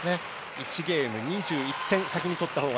１ゲーム２１点先に取ったほうが